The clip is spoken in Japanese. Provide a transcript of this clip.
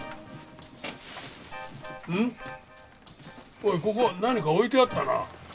おいここ何か置いてあったな。